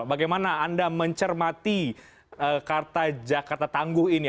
bagaimana anda mencermati karta jakarta tangguh ini